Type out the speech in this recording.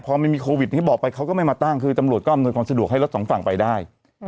พอไม่มีโควิดอย่างที่บอกไปเขาก็ไม่มาตั้งคือตำรวจก็อำนวยความสะดวกให้รถสองฝั่งไปได้